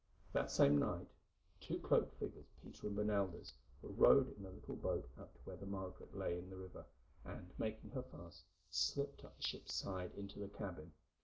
That same night two cloaked figures, Peter and Bernaldez, were rowed in a little boat out to where the Margaret lay in the river, and, making her fast, slipped up the ship's side into the cabin.